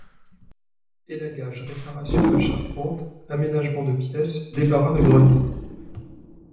élagage, réparation de charpente, aménagement de pièce, débarras de grenier.